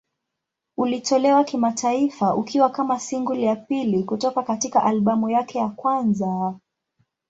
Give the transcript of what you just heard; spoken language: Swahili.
Ulitolewa kimataifa ukiwa kama single ya pili kutoka katika albamu yake ya kwanza.